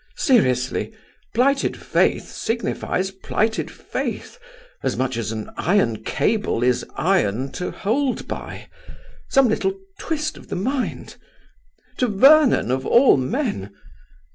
Seriously, plighted faith signifies plighted faith, as much as an iron cable is iron to hold by. Some little twist of the mind? To Vernon, of all men!